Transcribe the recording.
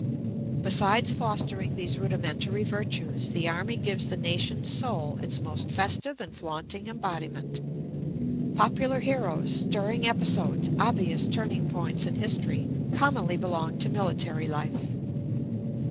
Besides fostering these rudimentary virtues the army gives the nation's soul its most festive and flaunting embodiment. Popular heroes, stirring episodes, obvious turning points in history, commonly belong to military life.